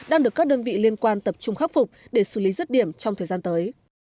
đang được các đơn vị liên quan tập trung khắc phục để xử lý rứt điểm trong thời gian tới